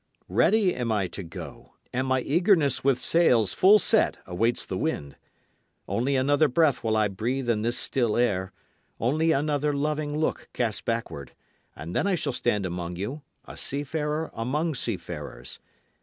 Ready am I to go, and my eagerness with sails full set awaits the wind. Only another breath will I breathe in this still air, only another loving look cast backward, And then I shall stand among you, a seafarer among seafarers.